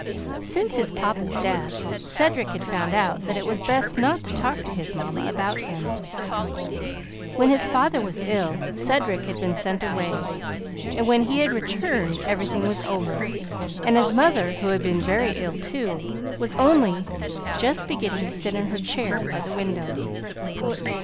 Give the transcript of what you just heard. Since his papa's death, Cedric had found out that it was best not to talk to his mamma about him. When his father was ill, Cedric had been sent away, and when he had returned, everything was over; and his mother, who had been very ill, too, was only just beginning to sit in her chair by the window.